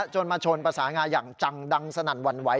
มาชนประสานงาอย่างจังดังสนั่นหวั่นไหว